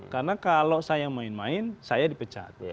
karena kalau saya main main saya dipecat